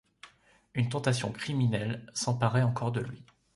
Une tentation criminelle s’emparait encore de lui.